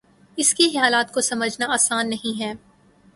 اس کے خیالات کو سمجھنا آسان نہیں ہے